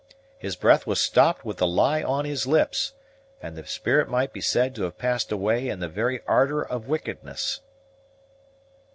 His breath was stopped with the lie on his lips, and the spirit might be said to have passed away in the very ardor of wickedness."